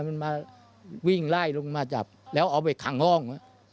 มันมาวิ่งไล่ลงมาจับแล้วเอาไปขังห้อง